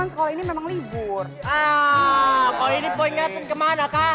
nah kalau ini poin gak kemana kak